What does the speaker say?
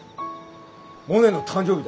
モネの誕生日だ。